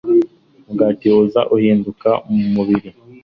mugati, uza guhinduka umubiri